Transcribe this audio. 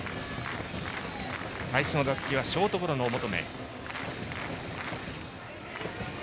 最初の打席はショートゴロの求。